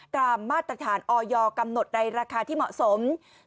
มาตรฐานออยกำหนดในราคาที่เหมาะสม